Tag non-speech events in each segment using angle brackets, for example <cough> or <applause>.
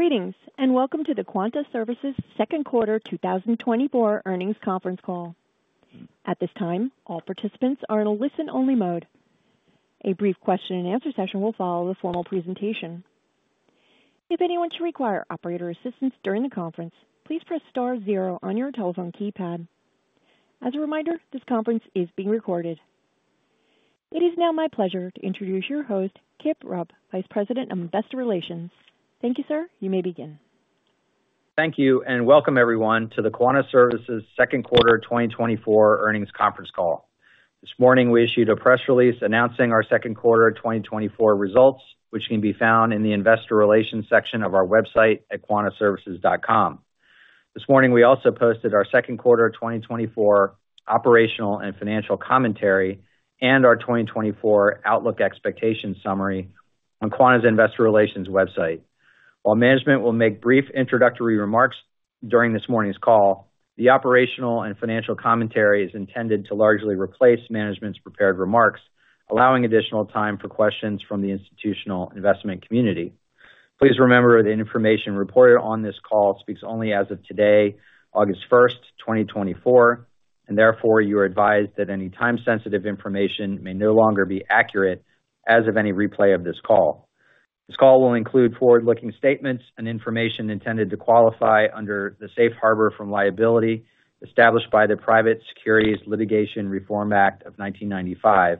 Greetings, and welcome to the Quanta Services Second Quarter 2024 Earnings Conference Call. At this time, all participants are in a listen-only mode. A brief question and answer session will follow the formal presentation. If anyone should require operator assistance during the conference, please press star zero on your telephone keypad. As a reminder, this conference is being recorded. It is now my pleasure to introduce your host, Kip Rupp, Vice President of Investor Relations. Thank you, sir. You may begin. Thank you, and welcome everyone to the Quanta Services second quarter 2024 earnings conference call. This morning, we issued a press release announcing our second quarter 2024 results, which can be found in the investor relations section of our website at quantaservices.com. This morning, we also posted our second quarter 2024 operational and financial commentary and our 2024 outlook expectation summary on Quanta's Investor Relations website. While management will make brief introductory remarks during this morning's call, the operational and financial commentary is intended to largely replace management's prepared remarks, allowing additional time for questions from the institutional investment community. Please remember, the information reported on this call speaks only as of today, August 1, 2024, and therefore you are advised that any time-sensitive information may no longer be accurate as of any replay of this call. This call will include forward-looking statements and information intended to qualify under the Safe Harbor from liability established by the Private Securities Litigation Reform Act of 1995,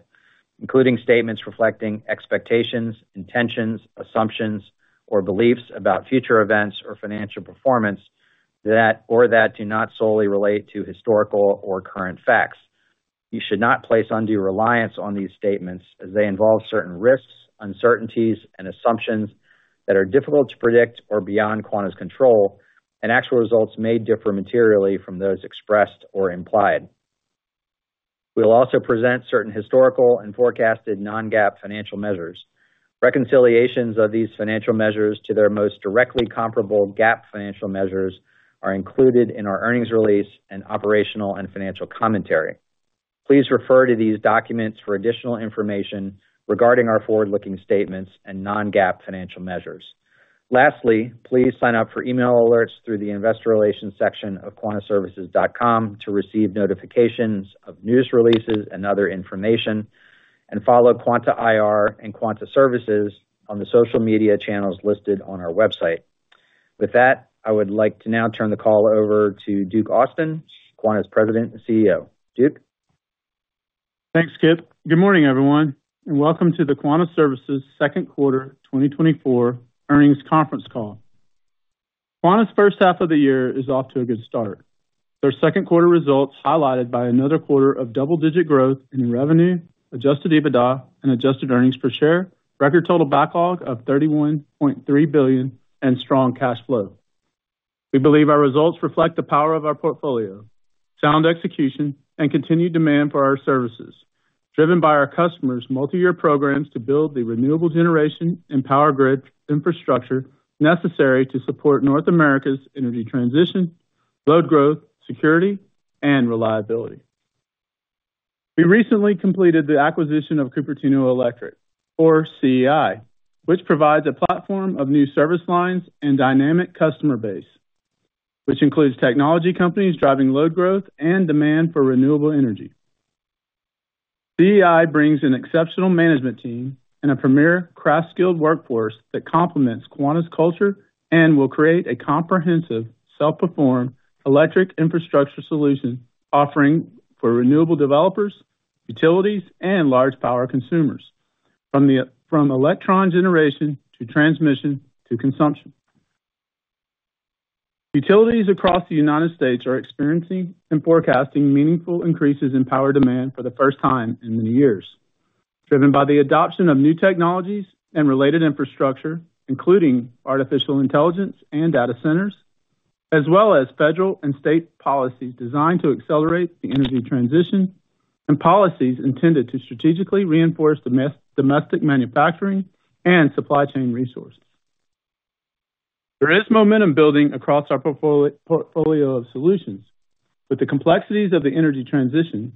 including statements reflecting expectations, intentions, assumptions, or beliefs about future events or financial performance, that or that do not solely relate to historical or current facts. You should not place undue reliance on these statements as they involve certain risks, uncertainties, and assumptions that are difficult to predict or beyond Quanta's control, and actual results may differ materially from those expressed or implied. We will also present certain historical and forecasted non-GAAP financial measures. Reconciliations of these financial measures to their most directly comparable GAAP financial measures are included in our earnings release and operational and financial commentary. Please refer to these documents for additional information regarding our forward-looking statements and non-GAAP financial measures. Lastly, please sign up for email alerts through the investor relations section of quantaservices.com to receive notifications of news releases and other information, and follow Quanta IR and Quanta Services on the social media channels listed on our website. With that, I would like to now turn the call over to Duke Austin, Quanta's President and CEO. Duke? Thanks, Kip. Good morning, everyone, and welcome to the Quanta Services second quarter 2024 earnings conference call. Quanta's first half of the year is off to a good start. Their second quarter results, highlighted by another quarter of double-digit growth in revenue, Adjusted EBITDA and Adjusted earnings per share, record total backlog of $31.3 billion, and strong cash flow. We believe our results reflect the power of our portfolio, sound execution, and continued demand for our services, driven by our customers' multi-year programs to build the renewable generation and power grid infrastructure necessary to support North America's energy transition, load growth, security, and reliability. We recently completed the acquisition of Cupertino Electric, or CEI, which provides a platform of new service lines and dynamic customer base, which includes technology companies driving load growth and demand for renewable energy. CEI brings an exceptional management team and a premier craft-skilled workforce that complements Quanta's culture and will create a comprehensive, self-performed electric infrastructure solution offering for renewable developers, utilities, and large power consumers, from electron generation to transmission to consumption. Utilities across the United States are experiencing and forecasting meaningful increases in power demand for the first time in many years, driven by the adoption of new technologies and related infrastructure, including artificial intelligence data centers, as well as federal and state policies designed to accelerate the energy transition and policies intended to strategically reinforce domestic manufacturing and supply chain resources. There is momentum building across our portfolio of solutions. With the complexities of the energy transition,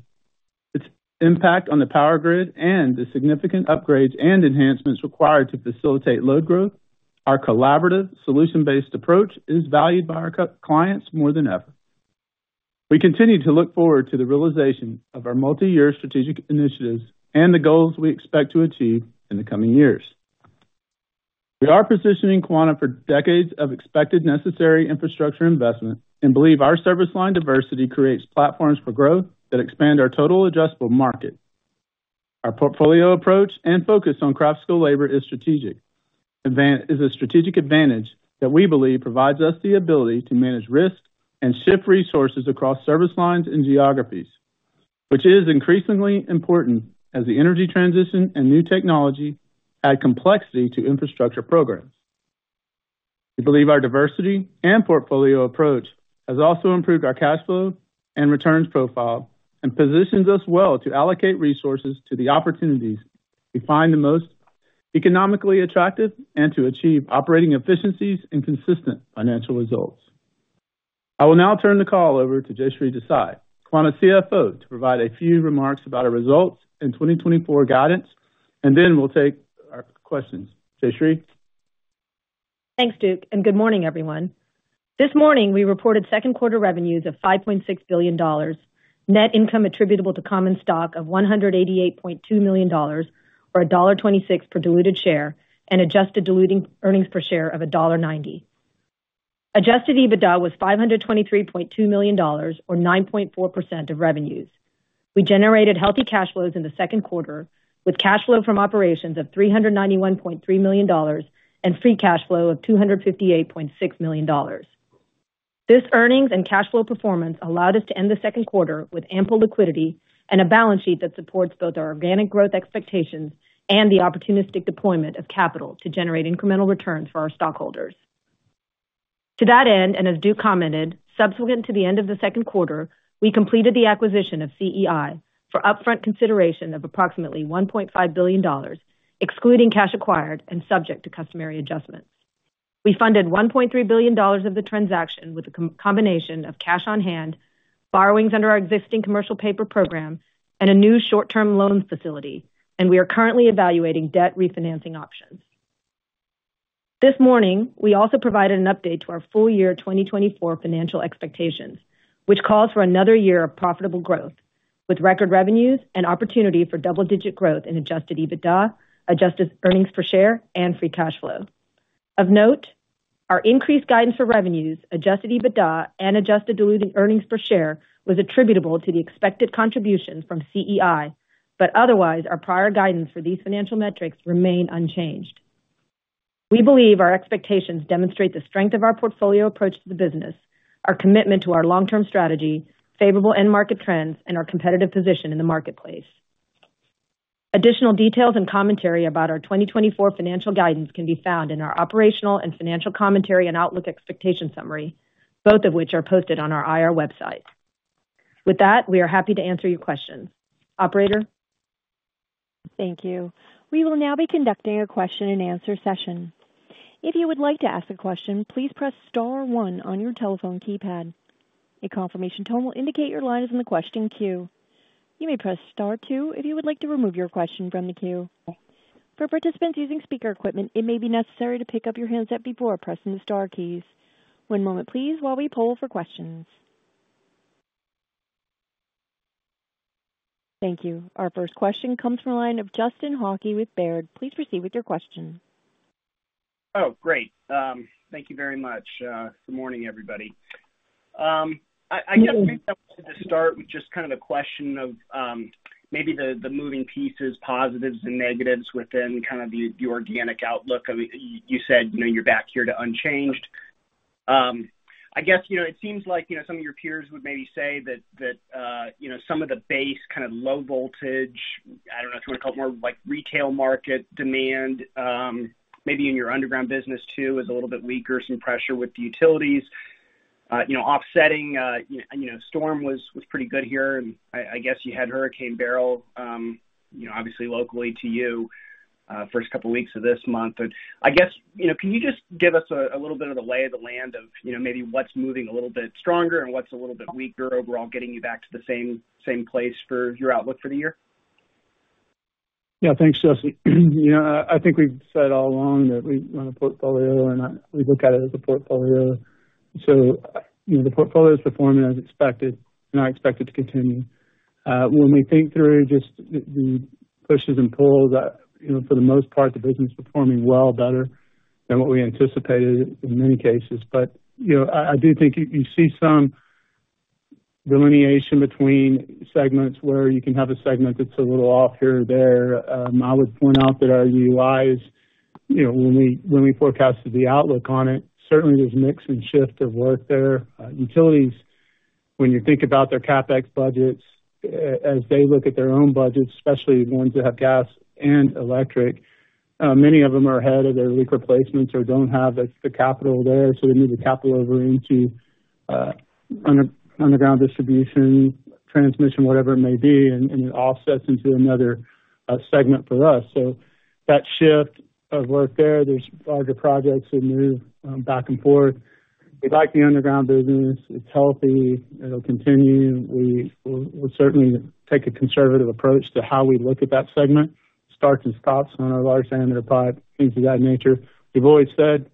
its impact on the power grid, and the significant upgrades and enhancements required to facilitate load growth, our collaborative, solution-based approach is valued by our clients more than ever. We continue to look forward to the realization of our multi-year strategic initiatives and the goals we expect to achieve in the coming years. We are positioning Quanta for decades of expected necessary infrastructure investment and believe our service line diversity creates platforms for growth that expand our total addressable market. Our portfolio approach and focus on craft skill labor is strategic. Advantage is a strategic advantage that we believe provides us the ability to manage risks and shift resources across service lines and geographies, which is increasingly important as the energy transition and new technology add complexity to infrastructure programs. We believe our diversity and portfolio approach has also improved our cash flow and returns profile and positions us well to allocate resources to the opportunities we find the most economically attractive and to achieve operating efficiencies and consistent financial results. I will now turn the call over to Jayshree Desai, Quanta CFO, to provide a few remarks about our results in 2024 guidance, and then we'll take our questions. Jayshree? Thanks, Duke, and good morning, everyone. This morning, we reported second quarter revenues of $5.6 billion, net income attributable to common stock of $188.2 million, or $1.26 per diluted share, and Adjusted diluted earnings per share of $1.90. Adjusted EBITDA was $523.2 million, or 9.4% of revenues. We generated healthy cash flows in the second quarter, with cash flow from operations of $391.3 million and free cash flow of $258.6 million. This earnings and cash flow performance allowed us to end the second quarter with ample liquidity and a balance sheet that supports both our organic growth expectations and the opportunistic deployment of capital to generate incremental returns for our stockholders. To that end, and as Duke commented, subsequent to the end of the second quarter, we completed the acquisition of CEI for upfront consideration of approximately $1.5 billion, excluding cash acquired and subject to customary adjustments. We funded $1.3 billion of the transaction with a combination of cash on hand, borrowings under our existing commercial paper program, and a new short-term loan facility, and we are currently evaluating debt refinancing options. This morning, we also provided an update to our full-year 2024 financial expectations, which calls for another year of profitable growth, with record revenues and opportunity for double-digit growth in Adjusted EBITDA, Adjusted earnings per share and free cash flow. Of note, our increased guidance for revenues, Adjusted EBITDA and Adjusted diluted earnings per share was attributable to the expected contribution from CEI, but otherwise, our prior guidance for these financial metrics remain unchanged. We believe our expectations demonstrate the strength of our portfolio approach to the business, our commitment to our long-term strategy, favorable end market trends, and our competitive position in the marketplace. Additional details and commentary about our 2024 financial guidance can be found in our operational and financial commentary and outlook expectation summary, both of which are posted on our IR website. With that, we are happy to answer your questions. Operator? Thank you. We will now be conducting a question-and-answer session. If you would like to ask a question, please press star one on your telephone keypad. A confirmation tone will indicate your line is in the question queue. You may press Star two if you would like to remove your question from the queue. For participants using speaker equipment, it may be necessary to pick up your handset before pressing the star keys. One moment please, while we poll for questions. Thank you. Our first question comes from the line of Justin Hauke with Baird. Please proceed with your question. Oh, great, thank you very much. Good morning, everybody. I guess to start with just kind of a question of, maybe the moving pieces, positives and negatives within kind of the organic outlook. I mean, you said, you know, you're back here to unchanged. I guess, you know, it seems like, you know, some of your peers would maybe say that, you know, some of the base kind of low voltage, I don't know if you want to call it more like retail market demand, maybe in your underground business, too, is a little bit weaker, some pressure with the utilities, you know, offsetting, you know, storm was pretty good here, and I guess you had Hurricane Beryl, you know, obviously locally to you, first couple weeks of this month. I guess, you know, can you just give us a little bit of the lay of the land of, you know, maybe what's moving a little bit stronger and what's a little bit weaker overall, getting you back to the same, same place for your outlook for the year? Yeah. Thanks, Justin. You know, I, I think we've said all along that we run a portfolio and I... We look at it as a portfolio. So, you know, the portfolio is performing as expected and are expected to continue. When we think through just the, the pushes and pulls, you know, for the most part, the business is performing well, better than what we anticipated in many cases. But, you know, I, I do think you, you see some delineation between segments, where you can have a segment that's a little off here or there. I would point out that our UI, you know, when we, when we forecasted the outlook on it, certainly there's mix and shift of work there. Utilities, when you think about their CapEx budgets, as they look at their own budgets, especially the ones that have gas and electric, many of them are ahead of their leak replacements or don't have the capital there, so we move the capital over into underground distribution, transmission, whatever it may be, and it offsets into another segment for us. So that shift of work there, there's larger projects that move back and forth. We like the underground business. It's healthy. It'll continue. We'll certainly take a conservative approach to how we look at that segment. Starts and stops on our large diameter pipe, things of that nature. We've always said,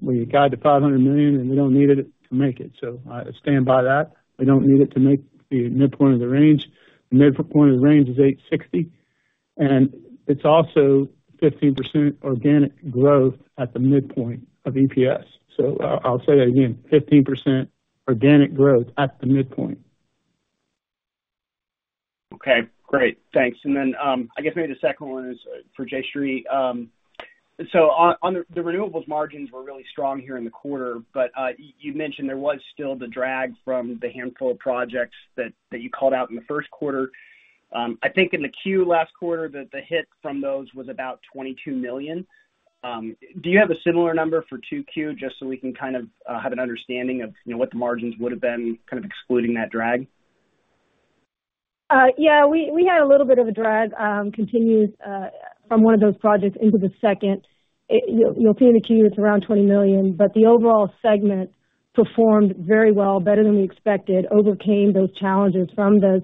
we guide to $500 million, and we don't need it to make it, so I stand by that. We don't need it to make the midpoint of the range. The midpoint of the range is $8.60, and it's also 15% organic growth at the midpoint of EPS. So I, I'll say that again, 15% organic growth at the midpoint. Okay, great. Thanks. And then, I guess maybe the second one is for Jayshree. So on the renewables margins were really strong here in the quarter, but you mentioned there was still the drag from the handful of projects that you called out in the first quarter. I think in the Q last quarter, the hit from those was about $22 million. Do you have a similar number for 2Q, just so we can kind of have an understanding of, you know, what the margins would have been, kind of excluding that drag? Yeah, we had a little bit of a drag continued from one of those projects into the second. It, you'll see in the queue, it's around $20 million, but the overall segment performed very well, better than we expected, overcame those challenges from those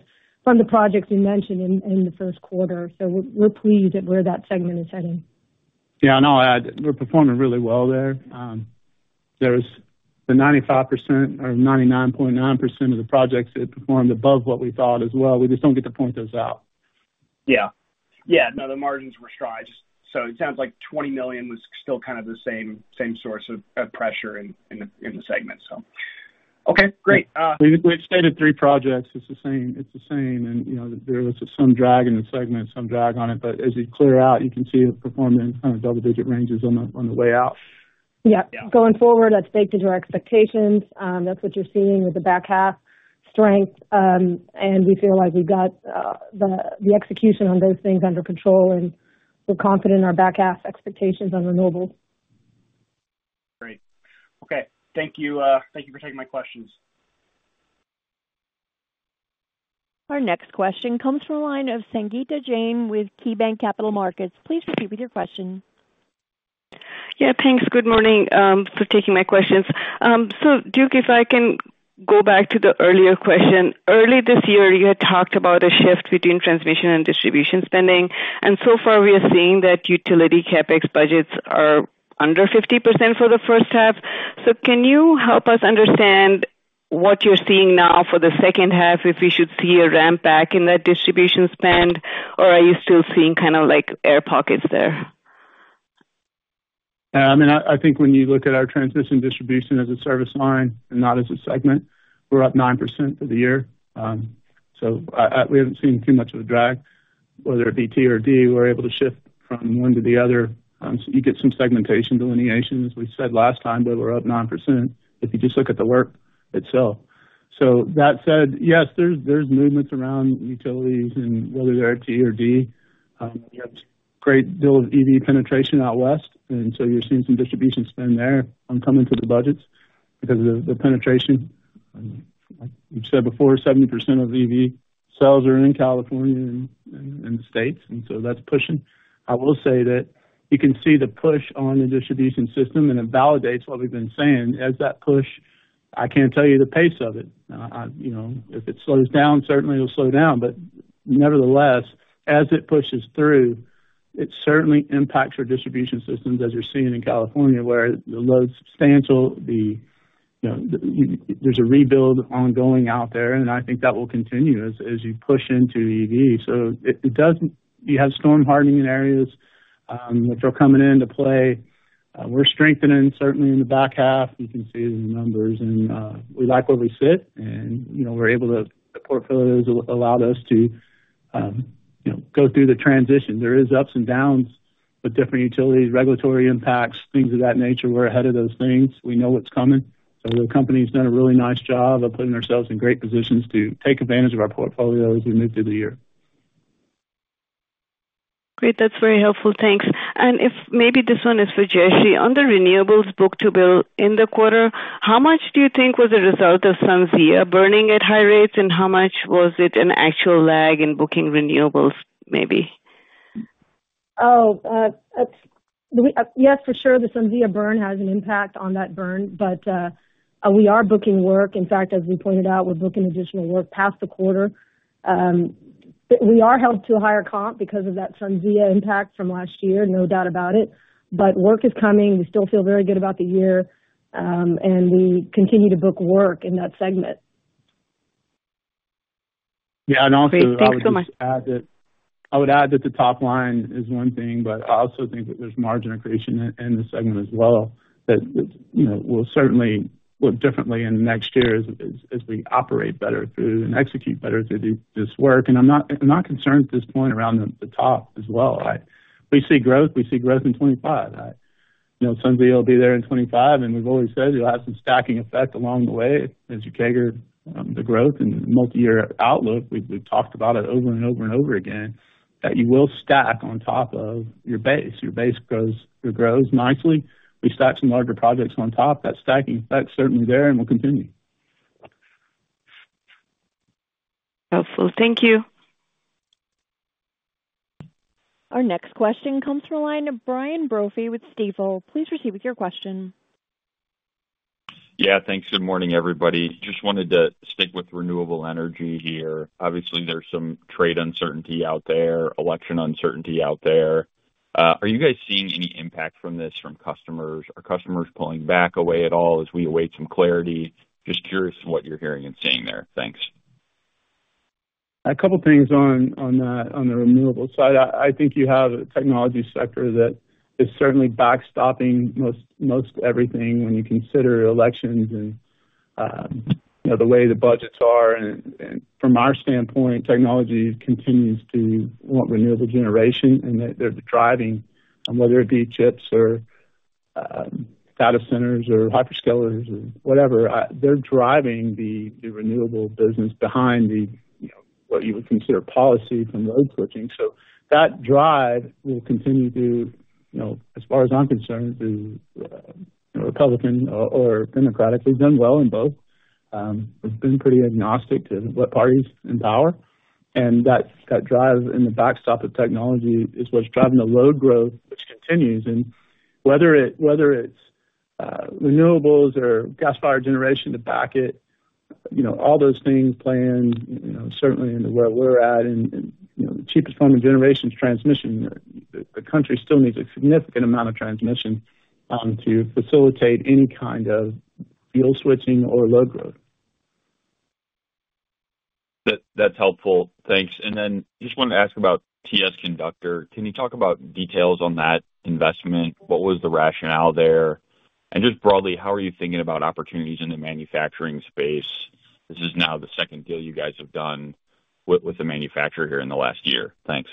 projects you mentioned in the first quarter. So we're pleased at where that segment is heading. Yeah, I know, we're performing really well there. There's the 95% or 99.9% of the projects that performed above what we thought as well. We just don't get to point those out. Yeah. Yeah, no, the margins were strong. So it sounds like $20 million was still kind of the same source of pressure in the segment. So, okay, great. We've stated three projects. It's the same, it's the same. And, you know, there was some drag in the segment, some drag on it, but as you clear out, you can see it performing kind of double-digit ranges on the way out. Yeah. Going forward, that's baked into our expectations. That's what you're seeing with the back half strength. And we feel like we've got the execution on those things under control, and we're confident in our back half expectations on renewables. Great. Okay. Thank you. Thank you for taking my questions. Our next question comes from the line of Sangita Jain with KeyBanc Capital Markets. Please proceed with your question. Yeah, thanks. Good morning for taking my questions. So Duke, if I can go back to the earlier question. Early this year, you had talked about a shift between transmission and distribution spending, and so far, we are seeing that utility CapEx budgets are under 50% for the first half. So can you help us understand what you're seeing now for the second half, if we should see a ramp back in that distribution spend, or are you still seeing kind of like air pockets there? I mean, I think when you look at our transmission distribution as a service line and not as a segment, we're up 9% for the year. So we haven't seen too much of a drag, whether it be T or D, we're able to shift from one to the other. So you get some segmentation delineation, as we said last time, but we're up 9% if you just look at the work itself. So that said, yes, there's movements around utilities and whether they're at T or D. You have a great deal of EV penetration out west, and so you're seeing some distribution spend there on coming to the budgets because of the penetration. Like we've said before, 70% of EV sales are in California and the States, and so that's pushing. I will say that you can see the push on the distribution system, and it validates what we've been saying. As that push, I can't tell you the pace of it. You know, if it slows down, certainly it'll slow down, but nevertheless, as it pushes through, it certainly impacts our distribution systems, as you're seeing in California, where the load's substantial. You know, there's a rebuild ongoing out there, and I think that will continue as you push into EV. So it doesn't. You have storm hardening in areas, which are coming into play. We're strengthening certainly in the back half. You can see the numbers, and we like where we sit, and, you know, we're able to. The portfolios allow those to, you know, go through the transition. There is ups and downs with different utilities, regulatory impacts, things of that nature. We're ahead of those things. We know what's coming. So the company's done a really nice job of putting ourselves in great positions to take advantage of our portfolio as we move through the year. Great. That's very helpful. Thanks. And if maybe this one is for Jayshree. On the renewables book-to-bill in the quarter, how much do you think was a result of SunZia burning at high rates, and how much was it an actual lag in booking renewables, maybe? Yes, for sure, the SunZia burn has an impact on that burn, but we are booking work. In fact, as we pointed out, we're booking additional work past the quarter. We are held to a higher comp because of that SunZia impact from last year, no doubt about it. But work is coming. We still feel very good about the year, and we continue to book work in that segment. Yeah, and also- Great. Thank you so much. I would just add that, I would add that the top line is one thing, but I also think that there's margin accretion in the segment as well, that, you know, will certainly look differently in the next year as we operate better through and execute better through this work. And I'm not, I'm not concerned at this point around the top as well. We see growth, we see growth in 2025. I, you know, SunZia will be there in 2025, and we've always said you'll have some stacking effect along the way as you capture the growth and the multi-year outlook. We've, we've talked about it over and over and over again, that you will stack on top of your base. Your base grows, it grows nicely. We stack some larger projects on top. That stacking effect is certainly there and will continue. Helpful. Thank you. Our next question comes from the line of Brian Brophy with Stifel. Please proceed with your question. Yeah, thanks. Good morning, everybody. Just wanted to stick with renewable energy here. Obviously, there's some trade uncertainty out there, election uncertainty out there. Are you guys seeing any impact from this from customers? Are customers pulling back away at all as we await some clarity? Just curious what you're hearing and seeing there. Thanks. A couple of things on the renewables side. I think you have a technology sector that is certainly backstopping most everything when you consider elections and, you know, the way the budgets are. And from our standpoint, technology continues to want renewable generation, and they're driving, whether it be chips data centers or hyperscalers or whatever, they're driving the renewable business behind the, you know, what you would consider policy from load switching. So that drive will continue to, you know, as far as I'm concerned, to Republican or Democratically done well in both. It's been pretty agnostic to what party's in power, and that drive and the backstop of technology is what's driving the load growth, which continues. And whether it's renewables or gas-fired generation to back it, you know, all those things play in, you know, certainly into where we're at. And you know, the cheapest form of generation is transmission. The country still needs a significant amount of transmission to facilitate any kind of fuel switching or load growth. That, that's helpful. Thanks. And then just wanted to ask about TS Conductor. Can you talk about details on that investment? What was the rationale there? And just broadly, how are you thinking about opportunities in the manufacturing space? This is now the second deal you guys have done with a manufacturer here in the last year. Thanks.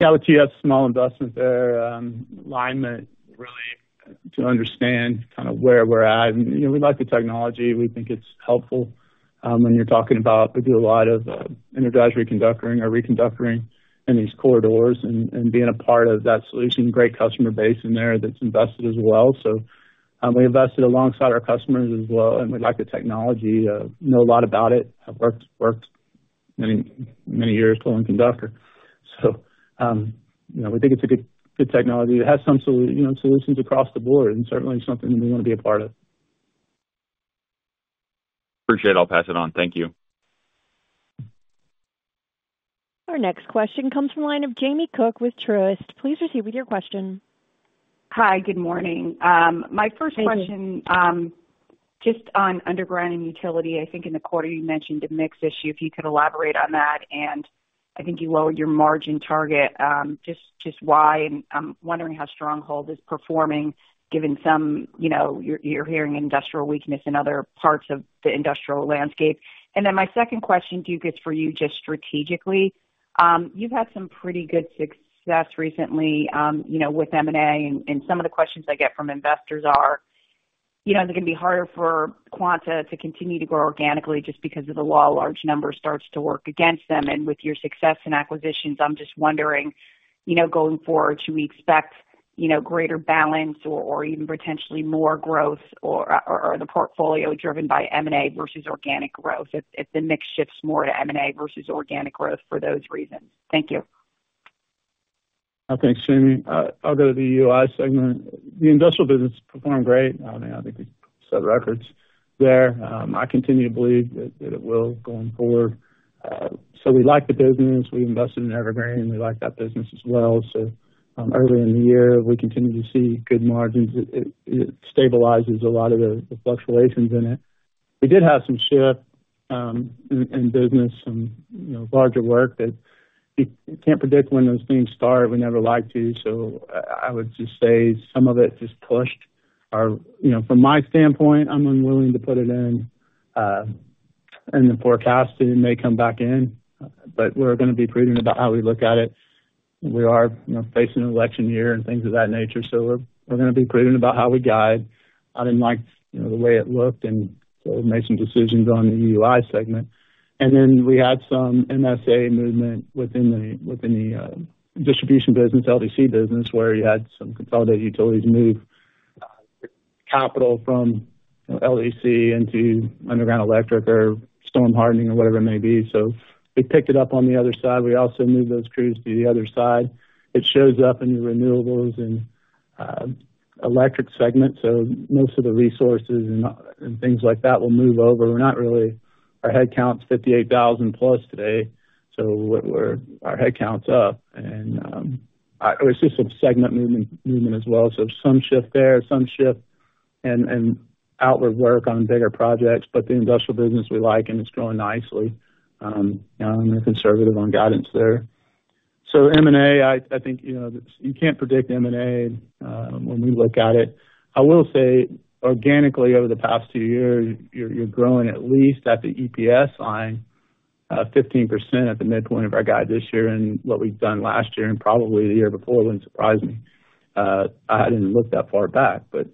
Yeah, the TS, small investment there. Alignment, really, to understand kind of where we're at. You know, we like the technology. We think it's helpful, when you're talking about we do a lot of energy reconductoring or reconductoring in these corridors and being a part of that solution. Great customer base in there that's invested as well. So, we invested alongside our customers as well, and we like the technology, know a lot about it. I've worked many, many years pulling conductor. So, you know, we think it's a good, good technology. It has some you know, solutions across the board, and certainly something we want to be a part of. Appreciate it. I'll pass it on. Thank you. Our next question comes from the line of Jamie Cook with Truist. Please proceed with your question. Hi, good morning.My first Question, just on underground and utility. I think in the quarter you mentioned a mix issue, if you could elaborate on that, and I think you lowered your margin target. Just, just why? And I'm wondering how Stronghold is performing given some... You know, you're, you're hearing industrial weakness in other parts of the industrial landscape. And then my second question to you is for you, just strategically, you've had some pretty good success recently, you know, with M&A, and, and some of the questions I get from investors are, you know, is it going to be harder for Quanta to continue to grow organically just because of the law of large numbers starts to work against them? With your success in acquisitions, I'm just wondering, you know, going forward, should we expect, you know, greater balance or even potentially more growth, or the portfolio driven by M&A versus organic growth? If the mix shifts more to M&A versus organic growth for those reasons. Thank you. Okay, Jamie. I'll go to the UI segment. The industrial business performed great. I mean, I think we set records there. I continue to believe that it will going forward. So we like the business. We invested in EverLine, we like that business as well. So earlier in the year, we continued to see good margins. It stabilizes a lot of the fluctuations in it. We did have some shift in business and, you know, larger work that you can't predict when those things start. We never like to. So I would just say some of it just pushed our... You know, from my standpoint, I'm unwilling to put it in the forecast. It may come back in, but we're going to be prudent about how we look at it. We are, you know, facing an election year and things of that nature, so we're, we're going to be prudent about how we guide. I didn't like, you know, the way it looked, and so we made some decisions on the UI segment. And then we had some MSA movement within the, within the distribution business, LDC business, where you had some consolidated utilities move capital from LDC into underground electric or storm hardening or whatever it may be. So we picke it up on the other side. We also moved those crews to the other side. It shows up in the renewables and Electric segment, so most of the resources and things like that will move over. We're not really—our headcount's 58,000+ today, so what we're—our headcount's up. It was just some segment movement, movement as well. So some shift there, some shift and outward work on bigger projects. But the industrial business we like, and it's growing nicely. You know, I'm conservative on guidance there. So M&A, I think, you know, that you can't predict M&A when we look at it. I will say organically, over the past two years, you're growing, at least at the EPS line, 15% at the midpoint of our guide this year, and what we've done last year and probably the year before wouldn't surprise me. I didn't look that far back, but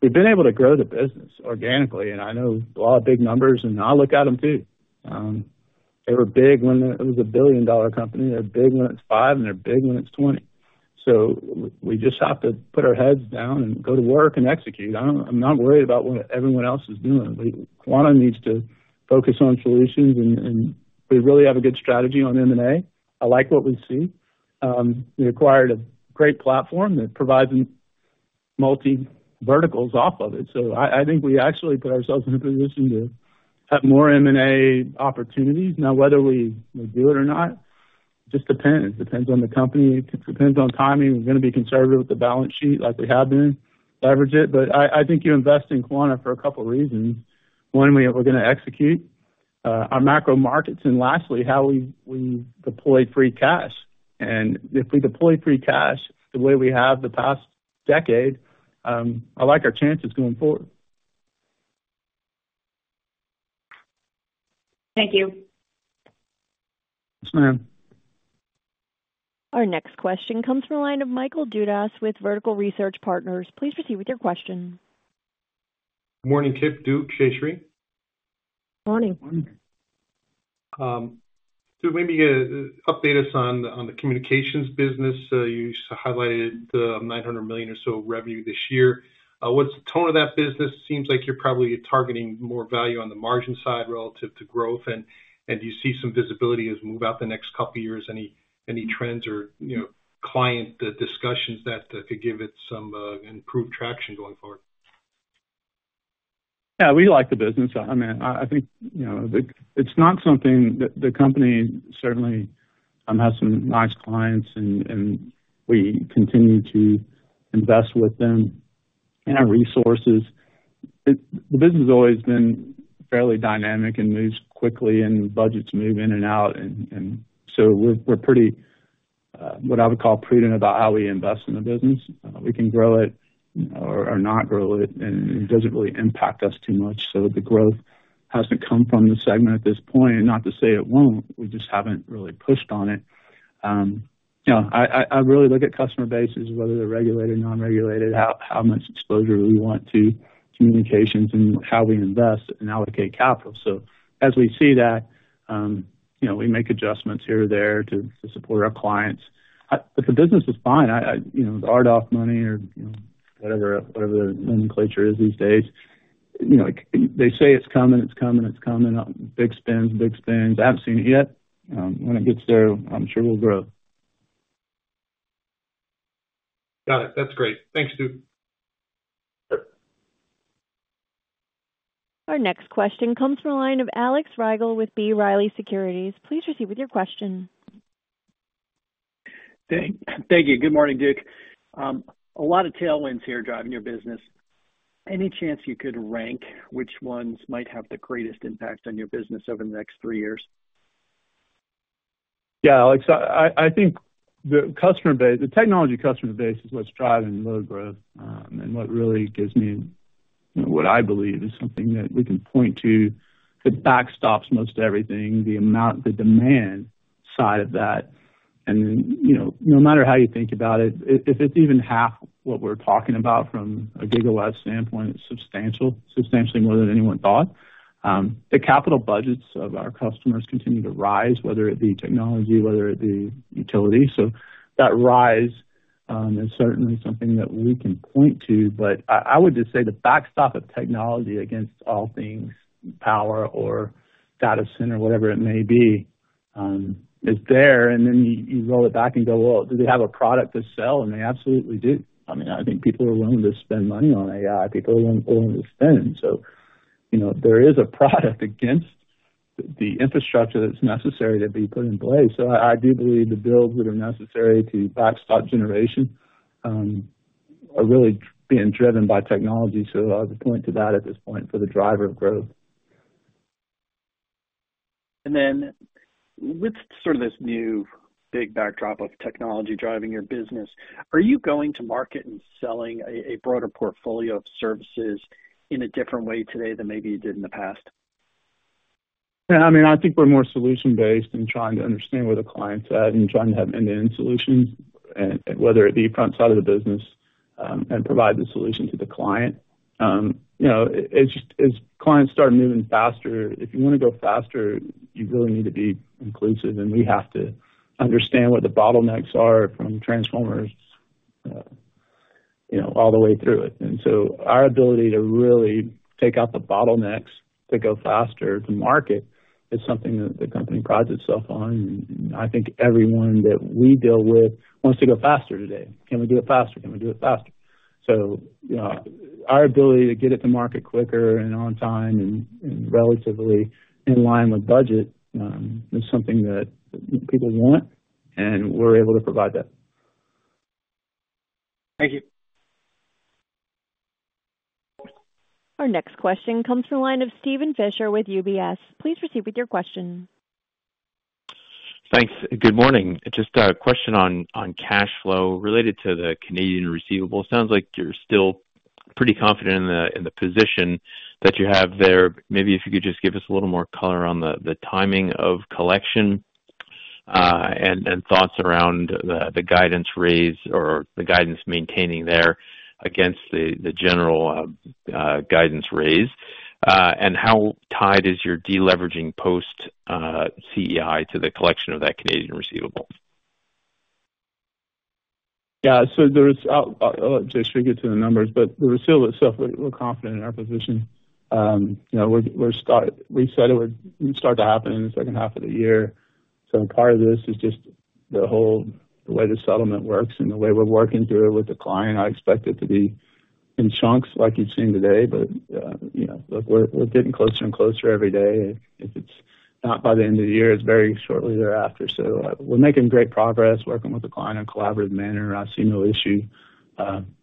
we've been able to grow the business organically, and I know a lot of big numbers, and I look at them too. They were big when it was a billion-dollar company. They're big when it's five, and they're big when it's 20. We just have to put our heads down and go to work and execute. I'm not worried about what everyone else is doing. Quanta needs to focus on solutions, and we really have a good strategy on M&A. I like what we see. We acquired a great platform that provides me multi verticals off of it. So I think we actually put ourselves in a position to have more M&A opportunities. Now, whether we will do it or not, just depends. It depends on the company. It depends on timing. We're going to be conservative with the balance sheet, like we have been, leverage it. But I think you invest in Quanta for a couple reasons. One, we're going to execute our macro markets, and lastly, how we deploy free cash. If we deploy free cash the way we have the past decade, I like our chances going forward. Thank you. Yes, ma'am. Our next question comes from the line of Michael Dudas with Vertical Research Partners. Please proceed with your question. Morning, Kip, Duke, Jayshree. <crosstalk> Morning. So maybe update us on the communications business. You highlighted the $900 million or so revenue this year. What's the tone of that business? Seems like you're probably targeting more value on the margin side relative to growth. And do you see some visibility as we move out the next couple years? Any trends or, you know, client discussions that could give it some improved traction going forward? Yeah, we like the business. I mean, I think, you know, it's not something that the company certainly has some nice clients and we continue to invest with them and our resources. The business has always been fairly dynamic and moves quickly, and budgets move in and out. So we're pretty what I would call prudent about how we invest in the business. We can grow it or not grow it, and it doesn't really impact us too much. So the growth hasn't come from the segment at this point, not to say it won't. We just haven't really pushed on it. You know, I really look at customer bases, whether they're regulated, non-regulated, how much exposure we want to communications and how we invest and allocate capital. So as we see that, you know, we make adjustments here or there to support our clients. But the business is fine. I, you know, the RDOF money or, you know, whatever, whatever the nomenclature is these days, you know, they say it's coming, it's coming, it's coming. Big spends, big spends. I haven't seen it yet. When it gets there, I'm sure we'll grow. Got it. That's great. Thanks, Duke. Our next question comes from the line of Alex Rygiel with B. Riley Securities. Please proceed with your question. Thank you. Good morning, Duke. A lot of tailwinds here driving your business. Any chance you could rank which ones might have the greatest impact on your business over the next three years? Yeah, Alex, I think the customer base—the technology customer base is what's driving load growth, and what really gives me, you know, what I believe is something that we can point to, that backstops most everything, the amount, the demand side of that. And, you know, no matter how you think about it, if it's even half what we're talking about from a gigawatt standpoint, it's substantial, substantially more than anyone thought. The capital budgets of our customers continue to rise, whether it be technology, whether it be utility. So that rise is certainly something that we can point to, but I would just say the backstop of technology against all things, power or data center, whatever it may be, is there, and then you roll it back and go, "Well, do they have a product to sell?" And they absolutely do. I mean, I think people are willing to spend money on AI. People are willing to spend. So, you know, there is a product against the infrastructure that's necessary to be put in place. So I do believe the builds that are necessary to backstop generation are really being driven by technology. So I'll point to that at this point for the driver of growth. And then with sort of this new big backdrop of technology driving your business, are you going to market and selling a, a broader portfolio of services in a different way today than maybe you did in the past? Yeah, I mean, I think we're more solution-based in trying to understand where the client's at and trying to have end-to-end solutions, whether it be front side of the business, and provide the solution to the client. You know, it's just, as clients start moving faster, if you want to go faster, you really need to be inclusive, and we have to understand what the bottlenecks are from transformers, you know, all the way through it. And so our ability to really take out the bottlenecks to go faster to market is something that the company prides itself on, and I think everyone that we deal with wants to go faster today. "Can we do it faster? Can we do it faster?" So, our ability to get it to market quicker and on time and, and relatively in line with budget, is something that people want, and we're able to provide that. Thank you. Our next question comes from the line of Steven Fisher with UBS. Please proceed with your question. Thanks. Good morning. Just a question on cash flow related to the Canadian receivables. Sounds like you're still pretty confident in the position that you have there. Maybe if you could just give us a little more color on the timing of collection, and thoughts around the guidance raise or the guidance maintaining there against the general guidance raise. And how tied is your deleveraging post CEI to the collection of that Canadian receivable? Yeah, so there's, I'll let Jayshree get to the numbers, but the receivable itself, we're, we're confident in our position. You know, we said it would start to happen in the second half of the year. So part of this is just the whole, the way the settlement works and the way we're working through it with the client. I expect it to be in chunks, like you've seen today, but, you know, look, we're getting closer and closer every day. If it's not by the end of the year, it's very shortly thereafter. So we're making great progress working with the client in a collaborative manner. I see no issue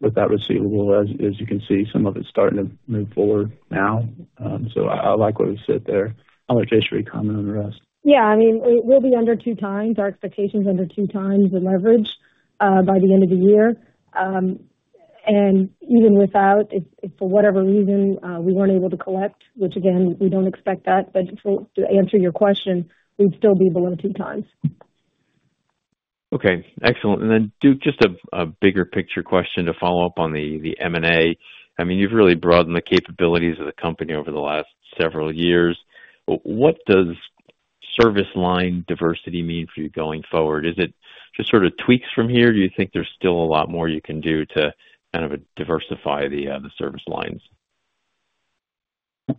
with that receivable. As you can see, some of it's starting to move forward now. So I like where we sit there. I'll let Jayshree comment on the rest. Yeah, I mean, it will be under 2x. Our expectation is under 2x the leverage by the end of the year. And even without, if for whatever reason we weren't able to collect, which again, we don't expect that, but to answer your question, we'd still be below 2x. Okay, excellent. And then, Duke, just a bigger picture question to follow up on the M&A. I mean, you've really broadened the capabilities of the company over the last several years. What does service line diversity mean for you going forward? Is it just sort of tweaks from here, or do you think there's still a lot more you can do to kind of diversify the service lines?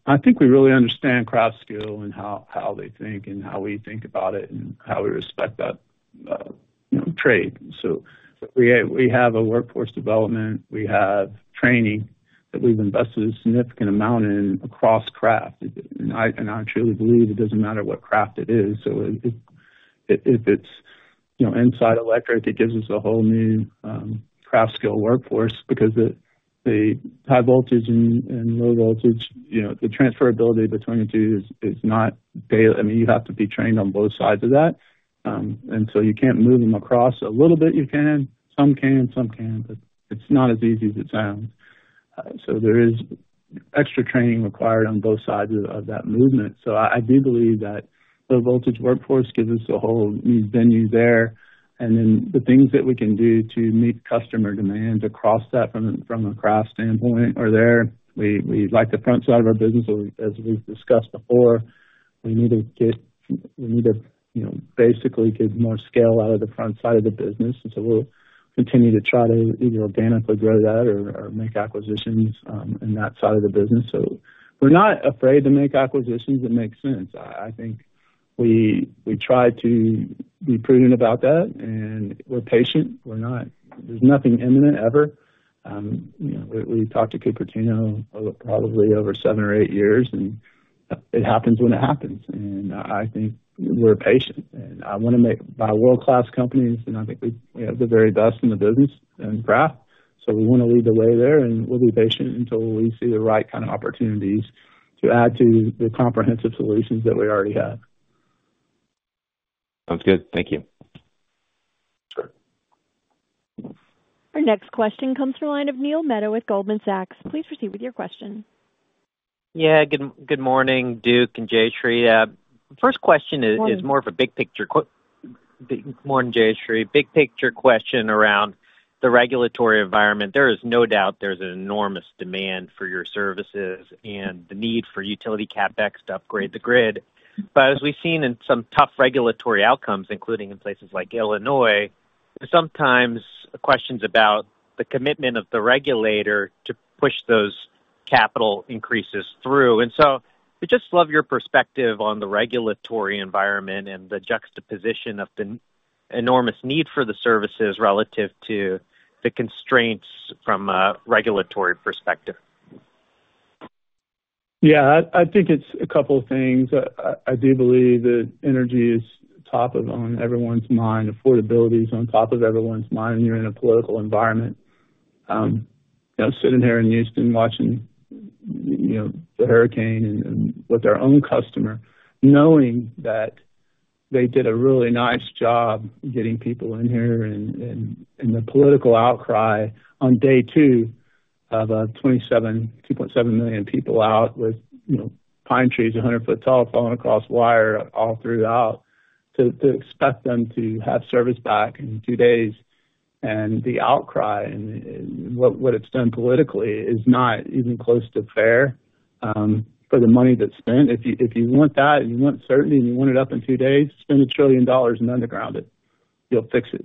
I think we really understand craft skill and how they think and how we think about it and how we respect that, you know, trade. So we have a workforce development, we have training that we've invested a significant amount in across craft. And I truly believe it doesn't matter what craft it is. So if it's, you know, inside electric, it gives us a whole new craft skill workforce because the high voltage and low voltage, you know, the transferability between the two is not daily. I mean, you have to be trained on both sides of that. And so you can't move them across. A little bit, you can. Some can, some can't, but it's not as easy as it sounds. So there is extra training required on both sides of that movement. So I do believe that the voltage workforce gives us a whole new venue there, and then the things that we can do to meet customer demand across that from a craft standpoint are there. We like the front side of our business. As we've discussed before, we need to, you know, basically get more scale out of the front side of the business. So we'll continue to try to either organically grow that or make acquisitions in that side of the business. So we're not afraid to make acquisitions that make sense. I think we try to be prudent about that, and we're patient. We're not... There's nothing imminent, ever. You know, we talked to Cupertino over probably seven or eight years, and it happens when it happens. I think we're patient, and I want to make, buy world-class companies, and I think we, we have the very best in the business and craft, so we want to lead the way there, and we'll be patient until we see the right kind of opportunities to add to the comprehensive solutions that we already have. Sounds good. Thank you. Sure. Our next question comes from the line of Neil Mehta with Goldman Sachs. Please proceed with your question. Yeah, good, good morning, Duke and Jayshree. First question is- Morning. Morning, Jayshree. Big picture question around the regulatory environment. There is no doubt there's an enormous demand for your services and the need for utility CapEx to upgrade the grid. But as we've seen in some tough regulatory outcomes, including in places like Illinois, sometimes questions about the commitment of the regulator to push those capital increases through. And so I'd just love your perspective on the regulatory environment and the juxtaposition of the enormous need for the services relative to the constraints from a regulatory perspective? Yeah, I think it's a couple of things. I do believe that energy is top of mind. Affordability is on top of everyone's mind, and you're in a political environment. You know, sitting here in Houston watching the hurricane and with our own customer, knowing that they did a really nice job getting people in here and the political outcry on day two of 2.7 million people out with, you know, pine trees 100 foot tall, falling across wire all throughout, to expect them to have service back in two days. And the outcry and what it's done politically is not even close to fair for the money that's spent. If you want that, and you want certainty, and you want it up in two days, spend $1 trillion and underground it. You'll fix it.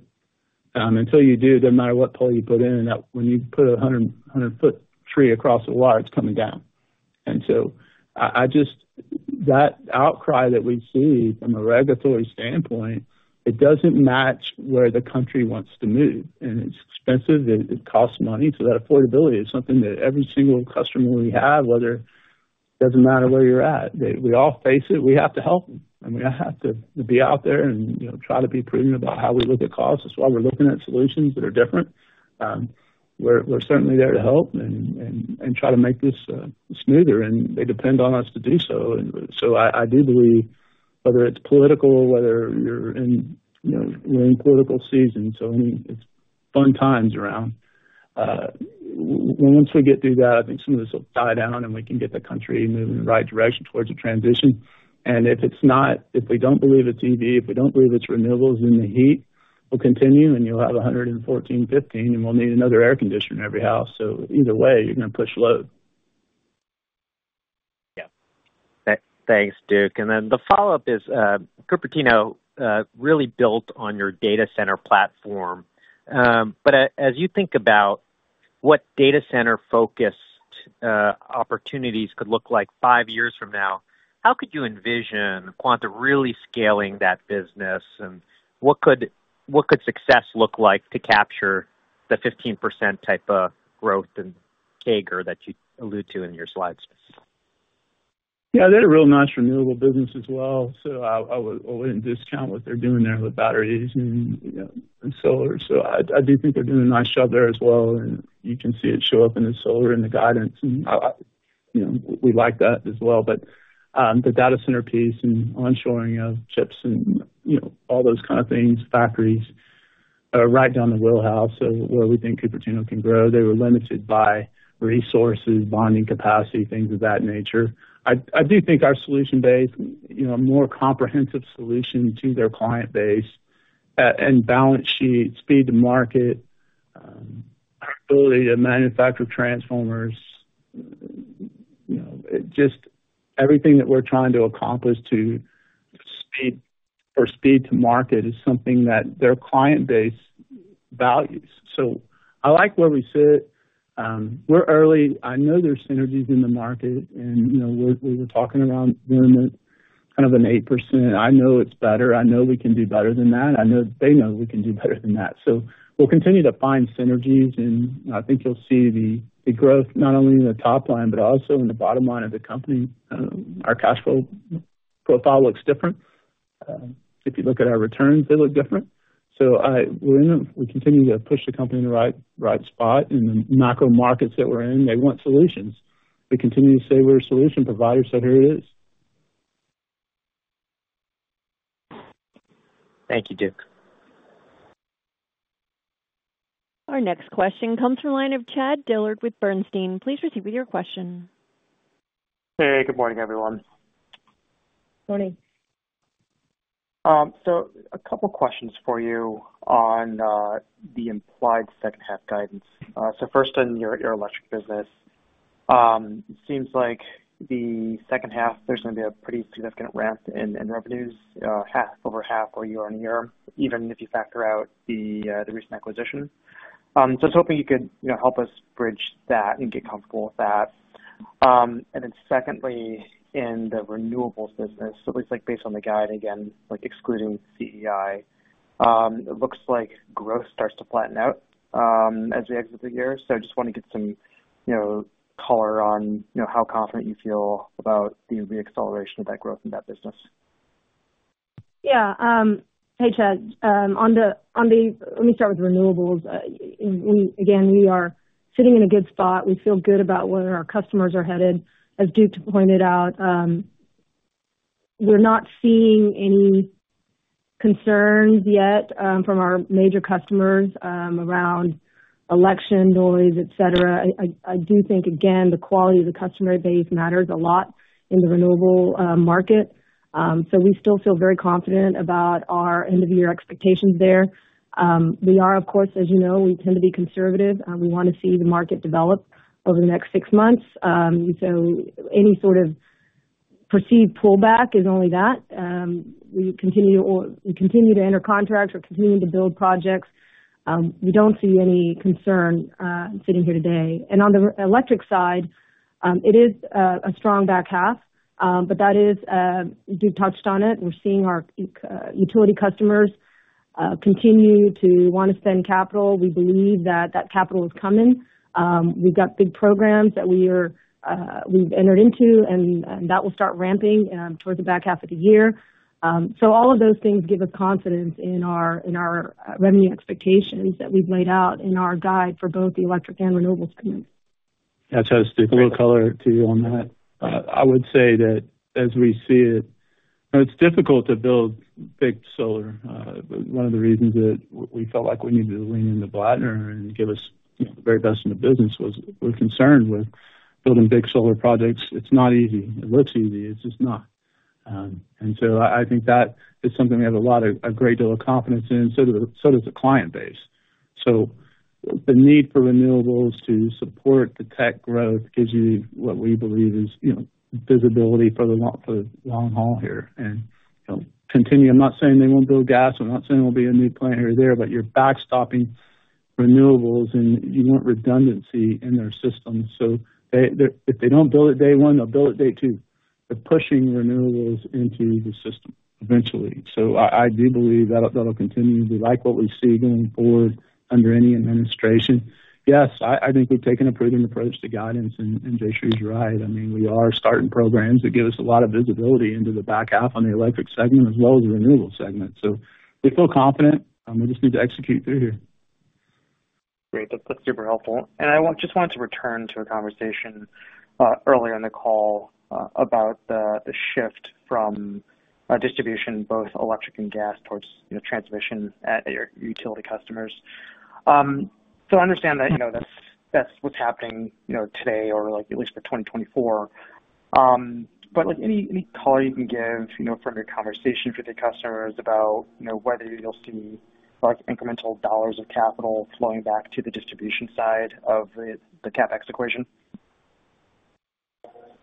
Until you do, it doesn't matter what pole you put in, and that when you put a 100, 100-foot tree across a wire, it's coming down. And so that outcry that we see from a regulatory standpoint, it doesn't match where the country wants to move, and it's expensive. It costs money. So that affordability is something that every single customer we have, whether doesn't matter where you're at, we all face it. We have to help them, and we have to be out there and, you know, try to be prudent about how we look at costs. That's why we're looking at solutions that are different. We're certainly there to help and try to make this smoother, and they depend on us to do so. And so I do believe whether it's political or whether you're in, you know, we're in political season, so, I mean, it's fun times around. Once we get through that, I think some of this will die down, and we can get the country moving in the right direction towards a transition. And if it's not, if we don't believe it's EV, if we don't believe it's renewables and the heat, we'll continue, and you'll have 114, 115, and we'll need another air conditioner in every house. So either way, you're going to push load. Yeah. Thanks, Duke. And then the follow-up is, Cupertino really built on your data center platform. But as you think about what data center-focused opportunities could look like five years from now, how could you envision Quanta really scaling that business? And what could, what could success look like to capture the 15% type of growth and CAGR that you allude to in your slides? Yeah, they're a real nice renewable business as well, so I, I would, I wouldn't discount what they're doing there with batteries and, you know, and solar. So I, I do think they're doing a nice job there as well, and you can see it show up in the solar and the guidance, and I, I, you know, we like that as well. But, the data center piece and onshoring of chips and, you know, all those kind of things, factories, right down the wheelhouse of where we think Cupertino can grow. They were limited by resources, bonding capacity, things of that nature. I, I do think our solution base, you know, a more comprehensive solution to their client base, and balance sheet, speed to market, our ability to manufacture transformers, you know, just everything that we're trying to accomplish to speed to market is something that their client base values. So I like where we sit. We're early. I know there's synergies in the market, and, you know, we're, we were talking around doing a kind of an 8%. I know it's better. I know we can do better than that. I know they know we can do better than that. So we'll continue to find synergies, and I think you'll see the, the growth, not only in the top line, but also in the bottom line of the company. Our cash flow profile looks different. If you look at our returns, they look different. So we're gonna, we're continuing to push the company in the right, right spot. In the macro markets that we're in, they want solutions. We continue to say we're a solution provider, so here it is. Thank you, Duke. Our next question comes from the line of Chad Dillard with Bernstein. Please proceed with your question. Hey, good morning, everyone. Morning. So, a couple questions for you on the implied second half guidance. So first, in your electric business, seems like the second half, there's going to be a pretty significant ramp in revenues, half, over half where you are in here, even if you factor out the recent acquisition. So I was hoping you could, you know, help us bridge that and get comfortable with that. And then secondly, in the renewables business, it looks like based on the guide, again, like excluding CEI, it looks like growth starts to flatten out as we exit the year. So just want to get some, you know, color on, you know, how confident you feel about the reacceleration of that growth in that business. Yeah, hey, Chad. Let me start with renewables. And again, we are sitting in a good spot. We feel good about where our customers are headed. As Duke pointed out, we're not seeing any concerns yet from our major customers around election noise, et cetera. I do think, again, the quality of the customer base matters a lot in the renewable market. So we still feel very confident about our end-of-the-year expectations there. We are, of course, as you know, we tend to be conservative. We want to see the market develop over the next six months. So any sort of perceived pullback is only that. We continue to enter contracts, we're continuing to build projects. We don't see any concern sitting here today. On the electric side, it is a strong back half, but that is, Duke touched on it. We're seeing our utility customers continue to want to spend capital. We believe that that capital is coming. We've got big programs that we've entered into, and that will start ramping towards the back half of the year. So all of those things give us confidence in our revenue expectations that we've laid out in our guide for both the electric and renewables teams. Yeah, Chad, a little color to you on that. I would say that as we see it, it's difficult to build big solar. One of the reasons that we felt like we needed to lean into Blattner and give us the very best in the business was we're concerned with building big solar projects. It's not easy. It looks easy, it's just not. And so I think that is something we have a lot of, a great deal of confidence in, so do, so does the client base. So the need for renewables to support the tech growth gives you what we believe is, you know, visibility for the long, for the long haul here, and continue. I'm not saying they won't build gas. I'm not saying there'll be a new plant here or there, but you're backstopping renewables and you want redundancy in their system. So they, if they don't build it day one, they'll build it day two. They're pushing renewables into the system eventually. So I do believe that'll continue. We like what we see going forward under any administration. Yes, I think we've taken a prudent approach to guidance, and Jayshree is right. I mean, we are starting programs that give us a lot of visibility into the back half on the electric segment as well as the renewables segment. So we feel confident. We just need to execute through here. Great. That's, that's super helpful. And just wanted to return to a conversation earlier in the call about the shift from distribution, both electric and gas, towards, you know, transmission at your utility customers. So I understand that, you know, that's what's happening, you know, today or like at least for 2024. But like any color you can give, you know, from your conversations with your customers about, you know, whether you'll see, like, incremental dollars of capital flowing back to the distribution side of the CapEx equation?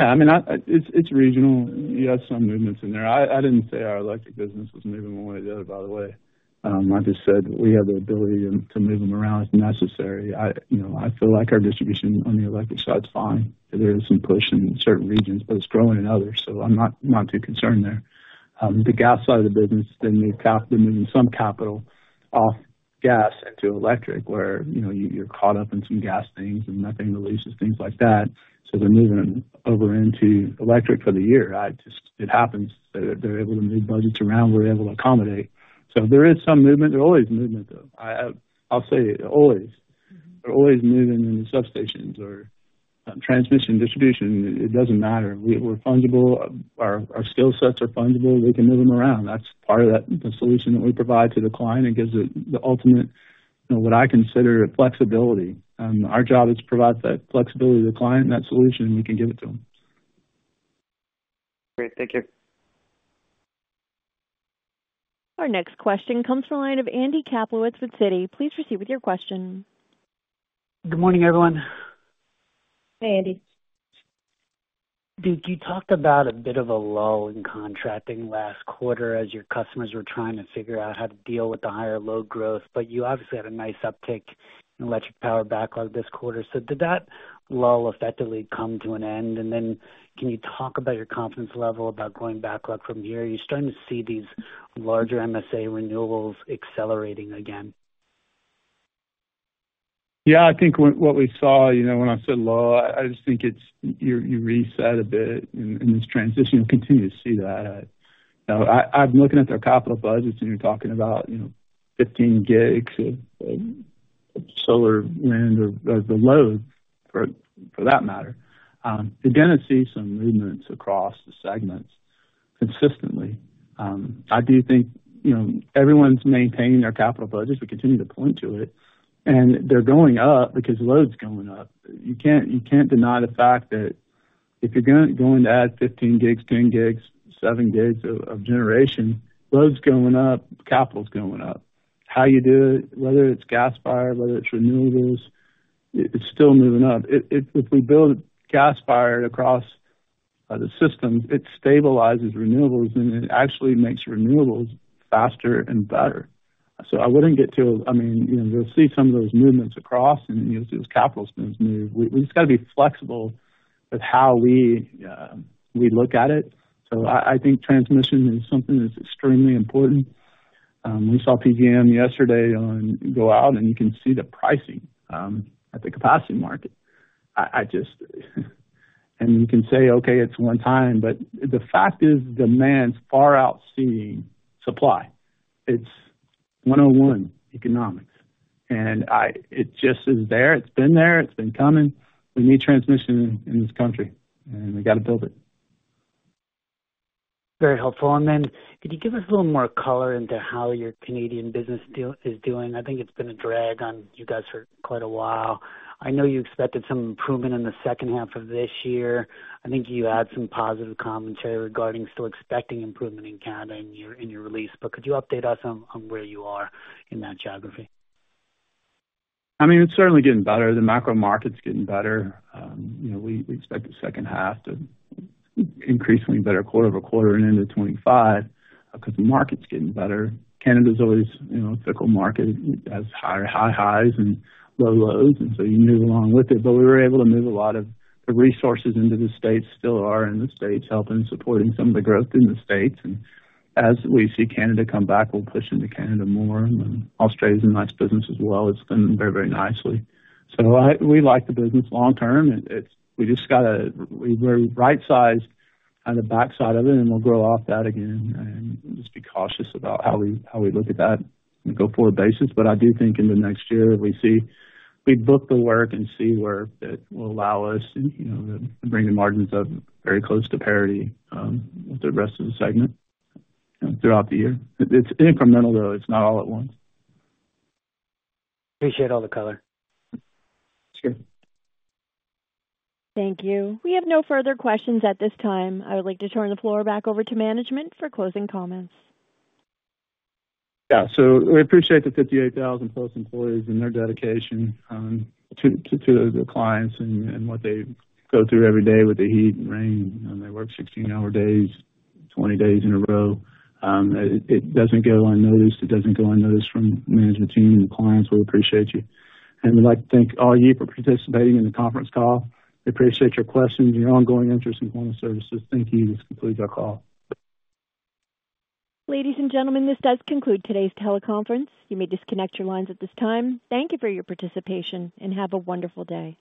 Yeah, I mean, it's regional. You have some movements in there. I didn't say our Electric business was moving one way or the other, by the way. I just said we have the ability to move them around if necessary. You know, I feel like our distribution on the electric side is fine. There is some push in certain regions, but it's growing in others, so I'm not too concerned there. The gas side of the business, they're moving some capital off gas into electric, where, you know, you're caught up in some gas things and methane releases, things like that. So they're moving over into electric for the year. I just. It happens. They're able to move budgets around, we're able to accommodate. So there is some movement. There's always movement, though. I'll say always. They're always moving in the substations or transmission, distribution. It doesn't matter. We're fungible. Our skill sets are fungible. We can move them around. That's part of that, the solution that we provide to the client. It gives it the ultimate, you know, what I consider flexibility. Our job is to provide that flexibility to the client and that solution, and we can give it to them. Great. Thank you. Our next question comes from the line of Andy Kaplowitz with Citi. Please proceed with your question. Good morning, everyone. Hey, Andy. Duke, you talked about a bit of a lull in contracting last quarter as your customers were trying to figure out how to deal with the higher load growth, but you obviously had a nice uptick in electric power backlog this quarter. So did that lull effectively come to an end? And then can you talk about your confidence level about growing backlog from here? Are you starting to see these larger MSA renewals accelerating again? Yeah, I think what, what we saw, you know, when I said lull, I just think it's, you reset a bit in this transition. We'll continue to see that. You know, I, I've been looking at their capital budgets, and you're talking about, you know, 15 gigs of solar, wind or the load for that matter. Again, I see some movements across the segments consistently. I do think, you know, everyone's maintaining their capital budgets. We continue to point to it, and they're going up because load's going up. You can't deny the fact that if you're going to add 15 gigs, 10 gigs, seven gigs of generation, load's going up, capital's going up. How you do it, whether it's gas-fired, whether it's renewables, it's still moving up. If we build gas-fired across the systems, it stabilizes renewables, and it actually makes renewables faster and better. So I wouldn't get too... I mean, you know, we'll see some of those movements across, and as those capital spends move, we just got to be flexible with how we look at it. So I think transmission is something that's extremely important. We saw PJM yesterday auction go out, and you can see the pricing at the capacity market. And you can say, "Okay, it's one time," but the fact is, demand's far outstrippingng supply. It's 101 economics, and it just is there. It's been there. It's been coming. We need transmission in this country, and we got to build it. Very helpful. And then could you give us a little more color into how your Canadian business deal is doing? I think it's been a drag on you guys for quite a while. I know you expected some improvement in the second half of this year. I think you had some positive commentary regarding still expecting improvement in Canada in your release, but could you update us on where you are in that geography? I mean, it's certainly getting better. The macro market's getting better. You know, we expect the second half to increasingly better quarter-over-quarter and into 2025 because the market's getting better. Canada's always, you know, a fickle market, has higher high highs and low lows, and so you move along with it. But we were able to move a lot of the resources into the States, still are in the States, helping supporting some of the growth in the States. And as we see Canada come back, we'll push into Canada more. And Australia's a nice business as well. It's going very, very nicely. So we like the business long term. It's we just got to we very right-sized on the backside of it, and we'll grow off that again and just be cautious about how we, how we look at that go-forward basis. But I do think in the next year, we see, we book the work and see where that will allow us, you know, to bring the margins up very close to parity with the rest of the segment throughout the year. It's incremental, though. It's not all at once. Appreciate all the color. Sure. Thank you. We have no further questions at this time. I would like to turn the floor back over to management for closing comments. Yeah, so we appreciate the 58,000+ employees and their dedication to the clients and what they go through every day with the heat and rain, and they work 16-hour days, 20 days in a row. It doesn't go unnoticed. It doesn't go unnoticed from the management team and the clients. We appreciate you, and we'd like to thank all of you for participating in the conference call. We appreciate your questions and your ongoing interest in Quanta Services. Thank you. This concludes our call. Ladies and gentlemen, this does conclude today's teleconference. You may disconnect your lines at this time. Thank you for your participation, and have a wonderful day.